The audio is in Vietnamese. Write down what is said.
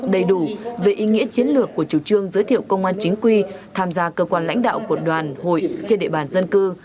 đầy đủ về ý nghĩa chiến lược của chủ trương giới thiệu công an chính quy tham gia cơ quan lãnh đạo của đoàn hội trên địa bàn dân cư